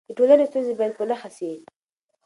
د ټولنې ستونزې باید په نښه سي.